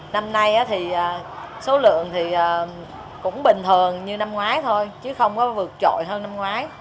năm nay thì số lượng thì cũng bình thường như năm ngoái thôi chứ không có vượt trội hơn năm ngoái